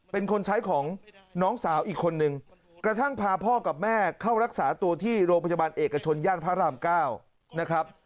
เป็นคนใช้ของน้องสาวอีกคนนึงกระทั่งพาพ่อกับแม่เข้ารักษาตัวที่โรงพยาบาลเอกชนย่านพระราม๙นะครับ